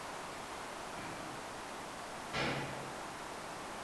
Po kontrole se otevřela druhá brána a autobus pokračoval do prostoru dolu.